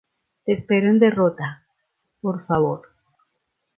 te espero en derrota. por favor.